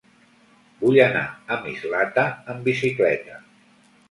Vull anar a Mislata amb bicicleta.